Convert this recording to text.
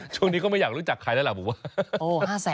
ช่วงนี้ก็ไม่อยากรู้จักใครแล้วล่ะผมว่า